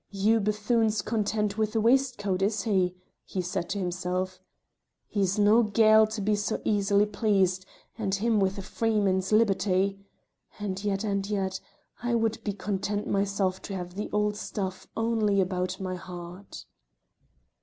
"Hugh Bethune's content with the waistcoat, is he?" he said to himself. "He's no Gael to be so easily pleased, and him with a freeman's liberty! And yet and yet I would be content myself to have the old stuff only about my heart."